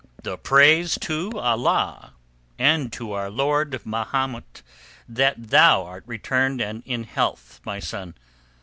"The praise to Allah and to our Lord Mahomet that thou art returned and in health, my son.